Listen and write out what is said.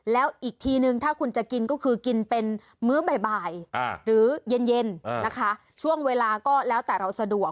แล้วอีกทีนึงถ้าคุณจะกินก็คือกินเป็นมื้อบ่ายหรือเย็นนะคะช่วงเวลาก็แล้วแต่เราสะดวก